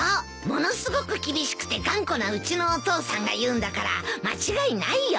ものすごく厳しくて頑固なうちのお父さんが言うんだから間違いないよ。